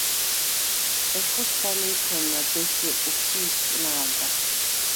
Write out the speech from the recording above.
ეშხუ სგა ლეჲქვემნა დეშდვე ტუფს ი ისკნა̄ლდა.